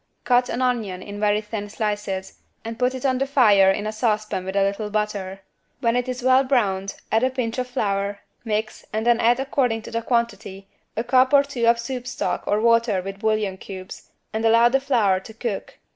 Cut an onion in very thin slices and put it on the fire in a saucepan with a little butter. When it is well browned add a pinch of flour, mix and then add according to the quantity, a cup or two of soup stock or water with bouillon cubes and allow the flour to cook.